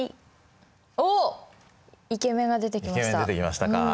イケメン出てきましたか。